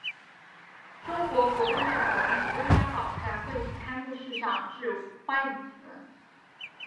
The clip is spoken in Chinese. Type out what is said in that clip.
中国国务院总理温家宝在会议开幕式上致欢迎辞。